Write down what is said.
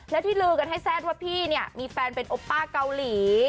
และที่ลือกันให้แซ่ดว่าพี่เนี่ยมีแฟนเป็นโอป้าเกาหลี